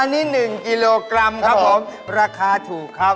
อันนี้๑กิโลกรัมราคาถูกครับ